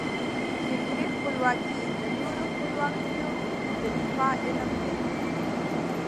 فکري خپلواکي د نورو خپلواکیو د دفاع علم دی.